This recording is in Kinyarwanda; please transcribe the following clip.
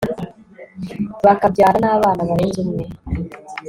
bakabyara n'abana barenze umwe